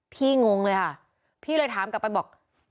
งงเลยค่ะพี่เลยถามกลับไปบอก